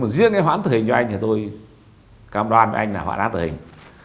riêng cái hoạn án tử hình cho anh thì tôi cam đoan với anh là hoạn án tử hình